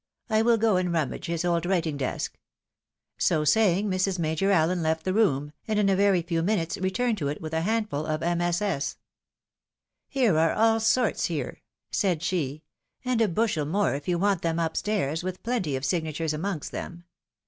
I will go and rummage his old writing desk." So saying, Mrs. Major Allen left the room, and in a very few minutes returned to it with a handful of MSS. " Here are all sorts here," said she, " and a bushel more if you want them, up stairs, with plenty of signatures amongst them.